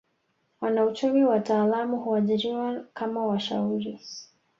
Wanauchumi wataalamu huajiriwa kama washauri